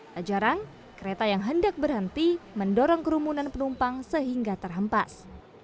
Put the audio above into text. tak jarang kereta yang hendak berhenti mendorong kerumunan penumpang sehingga terhempas